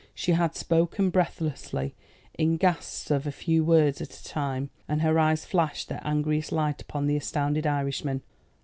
She had spoken breathlessly, in gasps of a few words at a time, and her eyes flashed their angriest light upon the astounded Irishman.